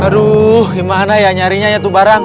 aduh gimana ya nyarinya itu barang